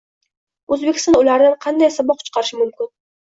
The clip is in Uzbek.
O‘zbekiston ulardan qanday saboq chiqarishi mumkin?